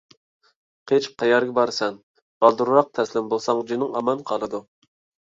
قېچىپ قەيەرگە بارىسەن؟ بالدۇرراق تەسلىم بولساڭ جېنىڭ ئامان قالىدۇ!